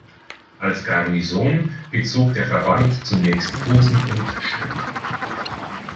Als Garnison bezog der Verband zunächst Posen und Schrimm.